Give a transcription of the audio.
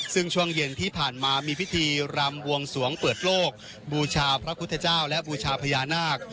ซึ่งช่วงเย็นที่ผ่านมามีพิธีรำบวงสวงเปิดโลกบูชาพระพุทธเจ้าและบูชาพญานาค